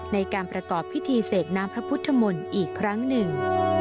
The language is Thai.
ในการประกอบพิธีเสกน้ำพระพุทธมนต์อีกครั้งหนึ่ง